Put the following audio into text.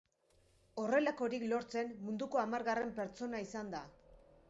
Horrelakorik lortzen, munduko hamargarren pertsona izan da.